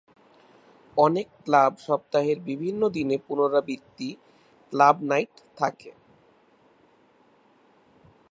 অনেক ক্লাব সপ্তাহের বিভিন্ন দিনে পুনরাবৃত্তি "ক্লাব নাইট" থাকে।